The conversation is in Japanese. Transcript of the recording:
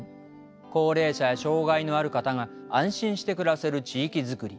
高齢者や障害のある方が安心して暮らせる地域づくり